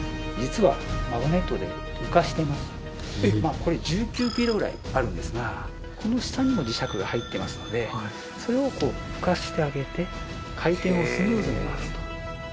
これ１９キロぐらいあるんですがこの下にも磁石が入ってますのでそれをこう浮かせてあげて回転をスムーズに回すと。